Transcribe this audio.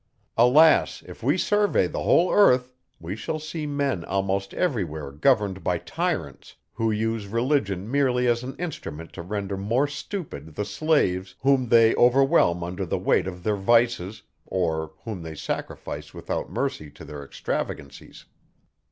Alas! If we survey the whole earth, we shall see men almost every where governed by tyrants, who use religion merely as an instrument to render more stupid the slaves, whom they overwhelm under the weight of their vices, or whom they sacrifice without mercy to their extravagancies.